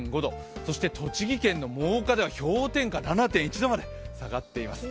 そして栃木県の真岡では氷点下７．１度まで下がっています。